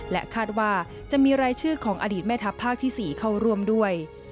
และคาดว่าจะมีรายชื่อของอดีตแม่ทัพภาคที่๔เข้าร่วมด้วย